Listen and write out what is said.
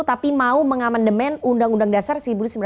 tapi mau mengamandemen undang undang dasar seribu sembilan ratus empat puluh